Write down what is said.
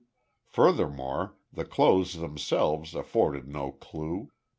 Furthermore the clothes themselves afforded no clue.